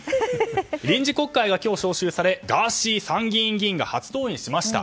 臨時国会が今日召集されガーシー参議院議員が初登院しました。